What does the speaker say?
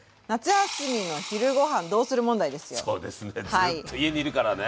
ずっと家にいるからね。